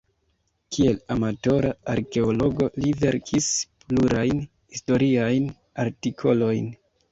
Kiel amatora arkeologo li verkis plurajn historiajn artikolojn.